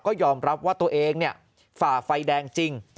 ก็ยอมรับว่าตัวเองฝ่าไฟแดงจริง